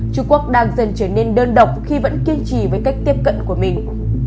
trung quốc đang dần trở nên đơn độc khi vẫn kiên trì với cách tiếp cận của mình